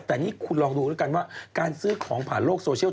แต่นี่คุณลองดูแล้วกันว่าการซื้อของผ่านโลกโซเชียล